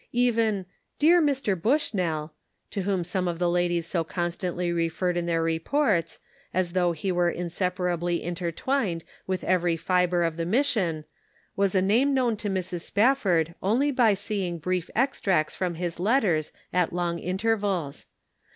Even "dear Mr. Bush nell," to whom some of the ladies so constantly referred in their reports, as though he were inseparably intertwined with every fiber of the mission, was a name known to Mrs. Spafford only by seeing brief extracts from his letters at long intervals.